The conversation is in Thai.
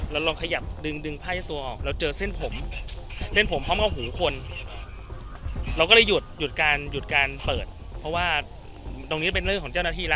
เราลองขยับดึงดึงไพ่ตัวออกเราเจอเส้นผมเส้นผมพร้อมกับหูคนเราก็เลยหยุดหยุดการหยุดการเปิดเพราะว่าตรงนี้เป็นเรื่องของเจ้าหน้าที่แล้ว